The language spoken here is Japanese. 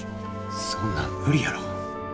そんなん無理やろ。